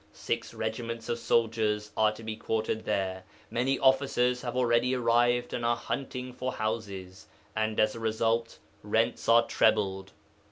Six regiments of soldiers are to be quartered there. Many officers have already arrived and are hunting for houses, and as a result rents are trebled.